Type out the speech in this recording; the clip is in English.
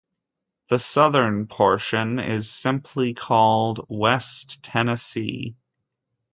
The southern portion is simply called West Tennessee.